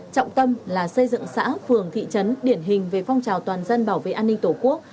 trọng tâm là xây dựng xã phường thị trấn điển hình về phong trào toàn dân bảo vệ an ninh tổ quốc